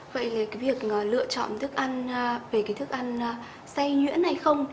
vậy cái việc lựa chọn thức ăn về cái thức ăn say nhuyễn hay không